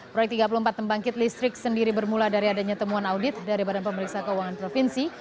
proyek tiga puluh empat pembangkit listrik sendiri bermula dari adanya temuan audit dari badan pemeriksa keuangan provinsi